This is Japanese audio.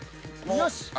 よし。